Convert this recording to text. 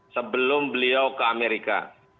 sebelum beliau ke amerika